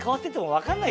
分かんない。